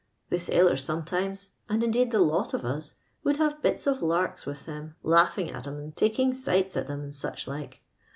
The sailors sometimes, and indeed the lot of us, would have bits of larks with them, laogfa ing at 'em and taking sights at *em and soeh like.